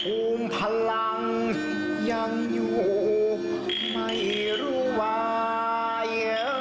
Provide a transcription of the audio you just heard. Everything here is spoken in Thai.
องค์พลังยังอยู่ไม่รู้วาย